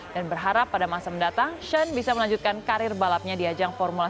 dan berharap pada masa mendatang sean bisa melanjutkan karir balapnya di ajang formula satu